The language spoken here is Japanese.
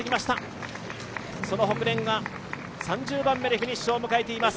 そのホクレンが３０番目でフィニッシュを迎えています。